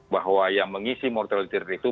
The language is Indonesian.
bahwa yang mengisi mortality rate itu